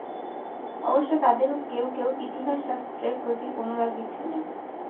অবশ্য তাদের কেউ কেউ ইতিহাস শাস্ত্রের প্রতি অনুরাগী ছিলেন।